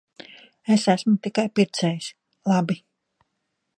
Es esmu tikai pircējs. Labi.